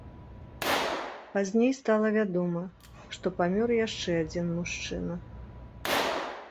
Пазней стала вядома, што памёр яшчэ адзін мужчына.